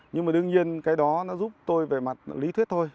nhưng mà đương nhiên cái đó nó giúp tôi về mặt lý thuyết thôi